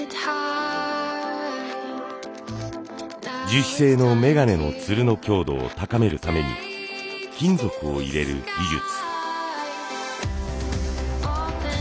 樹脂製のメガネのつるの強度を高めるために金属を入れる技術。